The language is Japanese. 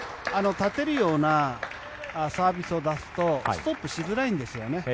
立てるようなサービスを出すとストップしづらいんですよね。